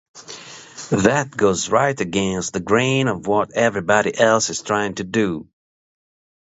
That goes right against the grain of what everybody else is trying to do.